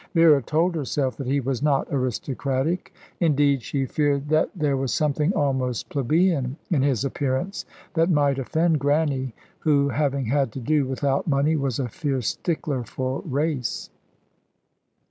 Vera told herself that he was not aristocratic indeed, she feared that there was something almost plebeian in his appearance that might offend Grannie, who, having had to do without money, was a fierce stickler for race.